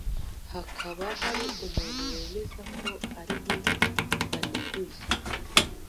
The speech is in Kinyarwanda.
hakaba hari umuntu wemeza ko ari we baneguye